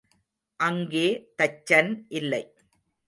அங்கே தச்சன் இல்லை.